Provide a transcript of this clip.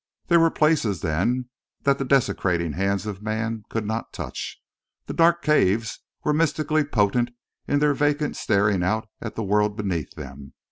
There were places, then, that the desecrating hands of man could not touch. The dark caves were mystically potent in their vacant staring out at the world beneath them.